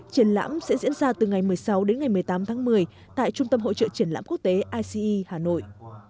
triển lãm sẽ diễn ra từ ngày một mươi sáu đến ngày một mươi tám tháng một mươi tại trung tâm hội trợ triển lãm quốc tế ice hà nội